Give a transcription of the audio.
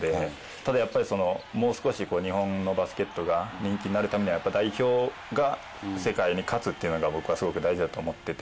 ただもう少し日本のバスケットが人気になるためには代表が世界に勝つということが僕はすごく大事だと思っていて。